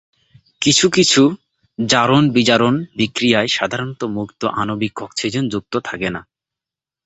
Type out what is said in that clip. কিছু কিছু জারণ-বিজারণ বিক্রিয়ায় সাধারণত মুক্ত আণবিক অক্সিজেন যুক্ত থাকে না।